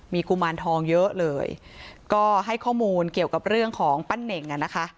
มีกุมารทองเยอะเลยก็ให้ข้อมูลเกี่ยวกับเรื่องของปั้นเน่งอ่ะนะคะ